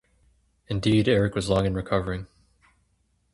Indeed Erik was long in recovering.